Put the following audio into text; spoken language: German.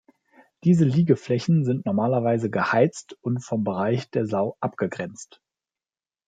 Diese Liegeflächen sind normalerweise geheizt und vom Bereich der Sau abgrenzt.